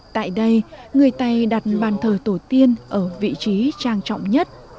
tại đây người tây đặt bàn thờ tổ tiên ở vị trí trang trọng nhất